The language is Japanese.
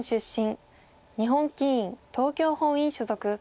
日本棋院東京本院所属。